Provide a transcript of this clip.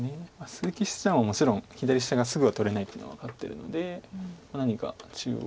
鈴木七段はもちろん左下がすぐは取れないというのは分かってるので何か中央。